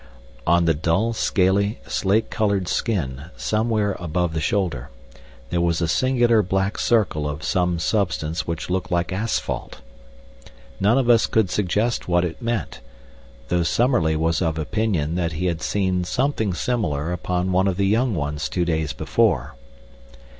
On the dull, scaly, slate colored skin somewhere above the shoulder, there was a singular black circle of some substance which looked like asphalt. None of us could suggest what it meant, though Summerlee was of opinion that he had seen something similar upon one of the young ones two days before.